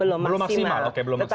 belum maksimal oke belum ketemu